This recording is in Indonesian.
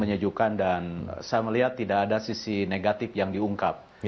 menyejukkan dan saya melihat tidak ada sisi negatif yang diungkap